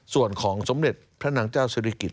ส่วนของสมเด็จพระนางเจ้าศิริกิจ